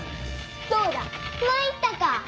どうだまいったか！